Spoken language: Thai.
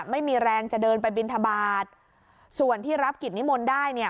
ไม่มีแรงจะเดินไปบินทบาทส่วนที่รับกิจนิมนต์ได้เนี่ย